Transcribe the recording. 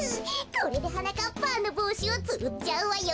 これではなかっぱんのぼうしをつっちゃうわよ。